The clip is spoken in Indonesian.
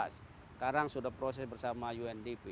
sekarang sudah proses bersama undp